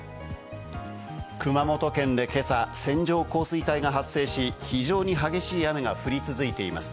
熊本県で今朝、線状降水帯が発生し、非常に激しい雨が降り続いています。